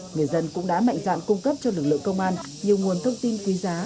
người dân cũng đã mạnh dạn cung cấp cho lực lượng công an nhiều nguồn thông tin quý giá